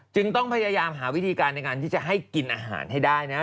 จึงต้องพยายามหาวิธีการในการที่จะให้กินอาหารให้ได้นะ